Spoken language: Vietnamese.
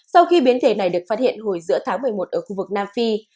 sau khi biến thể này được phát hiện hồi giữa tháng một mươi một ở khu vực nam phi